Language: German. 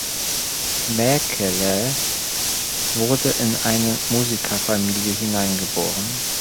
Mäkelä wurde in eine Musikerfamilie hineingeboren.